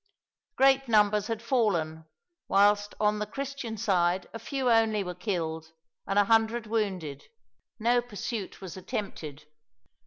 Great numbers had fallen, whilst on the Christian side a few only were killed, and a hundred wounded. No pursuit was attempted.